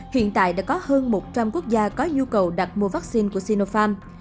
hiện tại đã có hơn một trăm linh quốc gia có nhu cầu đặt mua vắc xin của sinovac